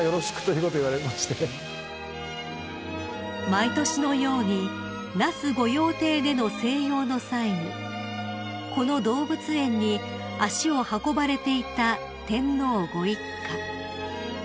［毎年のように那須御用邸での静養の際にこの動物園に足を運ばれていた天皇ご一家］